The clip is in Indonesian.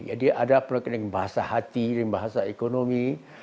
jadi ada pendekatan dengan bahasa hati dengan bahasa ekonomi